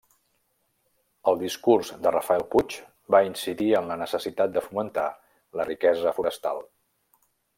El discurs de Rafael Puig va incidir en la necessitat de fomentar la riquesa forestal.